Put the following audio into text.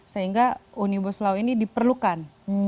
sehingga omnibus law ini diperlukan